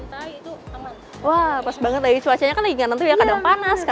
hai wah pas banget cuacanya kan inget kalau panas kadang hujan geris gitu ya